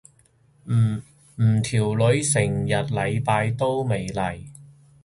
唔條女成個禮拜都未嚟。